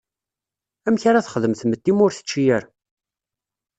Amek ara texdem tmetti ma ur tečči ara?